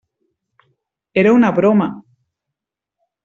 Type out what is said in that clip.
Era una broma.